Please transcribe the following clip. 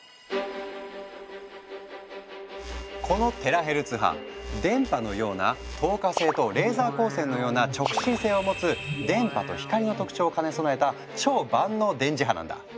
このテラヘルツ波電波のような「透過性」とレーザー光線のような「直進性」を持つ電波と光の特徴を兼ね備えた超万能電磁波なんだ。